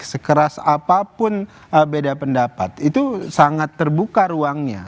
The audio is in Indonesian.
sekeras apapun beda pendapat itu sangat terbuka ruangnya